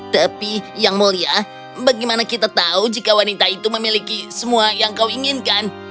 tapi yang mulia bagaimana kita tahu jika wanita itu memiliki semua yang kau inginkan